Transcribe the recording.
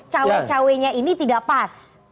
cewek ceweknya ini tidak pas